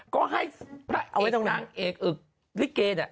ก็ให้พระเอกนางเอกอึกลิเกเนี่ย